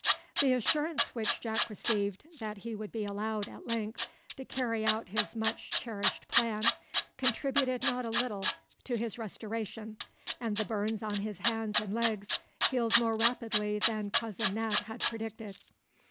The assurance which Jack received that he would be allowed at length to carry out his much cherished plan, contributed not a little to his restoration, and the burns on his hands and legs healed more rapidly than Cousin Nat had predicted.